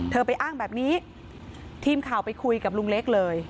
ไปอ้างแบบนี้ทีมข่าวไปคุยกับลุงเล็กเลย